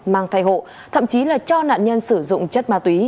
mang thai hộ thậm chí là cho nạn nhân sử dụng chất ma túy